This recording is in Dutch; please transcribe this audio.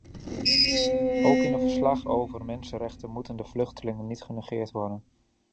Ook in een verslag over mensenrechten moeten de vluchtelingen niet genegeerd worden.